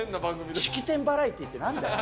式典バラエティーってなんだよ？